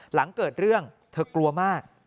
หลังเกิดเรื่องเธอกลัวมาก